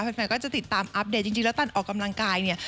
แฟนก็จะติดตามอัปเดตจริงแล้วตอนออกกำลังกายเนี่ย